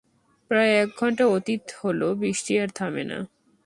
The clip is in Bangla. প্রায় এক ঘণ্টা অতীত হল, বৃষ্টি আর থামে না।